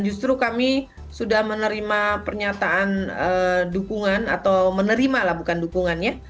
justru kami sudah menerima pernyataan dukungan atau menerima bukan dukungannya